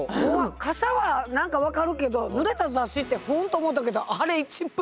傘は何か分かるけどぬれた雑誌って「うん？」と思うたけどあれ一番。